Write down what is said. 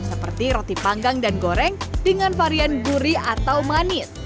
seperti roti panggang dan goreng dengan varian gurih atau manis